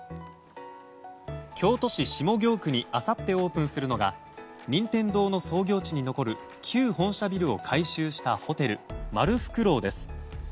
京都市下京区にあさってオープンするのが任天堂の創業地に残る旧本社ビルを改修したホテル丸福樓です。